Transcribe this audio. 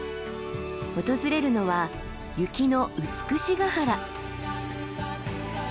訪れるのは雪の美ヶ原。